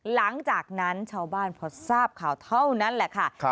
หลังจากนั้นชาวบ้านพอทราบข่าวเท่านั้นแหละค่ะ